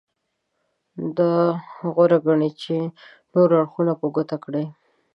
دا غوره ګڼي چې نور اړخونه په ګوته کړي.